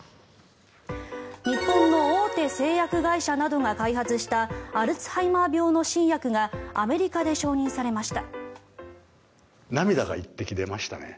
日本の大手製薬会社などが開発したアルツハイマー病の新薬がアメリカで承認されました。